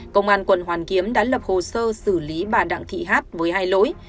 công an quận hoàn kiếm đã lập hồ sơ xử lý bà đặng thị hát với hai lỗi